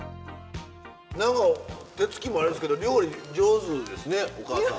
何か手つきもあれですけど料理上手ですねお母さん。